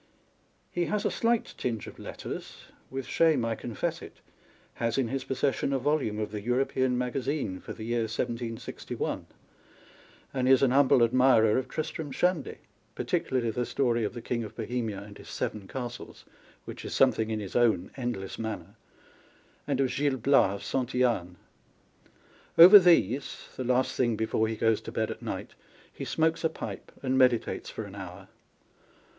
He has a slight tinge of letters, with shame I confess it â€" has in his possession a volume of the European Maga zine for the year 1761, and is an humble admirer of Tristram Shandy (particularly the story of the King of Bohemia and his Seven Castles, which is something in his own endless manner) and of Gil Bias of Santittane. Over these (the last thing before he goes to bed at night) he smokes a pipe, and meditates for an hour.